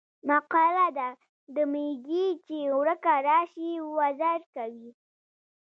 مقوله ده: د میږي چې ورکه راشي وزر کوي.